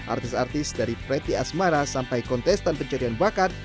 artis artis dari preti asmara sampai kontestan pencarian bakat